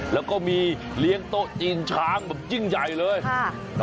แล้วก็มีเลี้ยงโต๊ะจีนช้างแบบยิ่งใหญ่เลยค่ะ